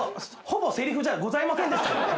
ほぼせりふじゃございませんでした。